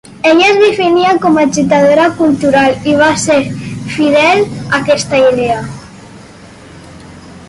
Ella es definia com ‘agitadora cultural’ i va ser fidel a aquesta idea.